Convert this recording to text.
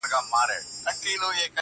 • چی له ظلمه تښتېدلی د انسان وم -